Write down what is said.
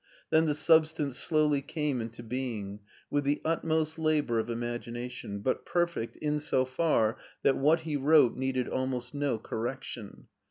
Then the substance slowly came into being, with the utmost labor of imagination, but perfect in so far that what he wrote needed almost no correc tion.